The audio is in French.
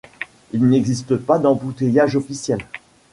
Il n'existe pas d'embouteillage officiel.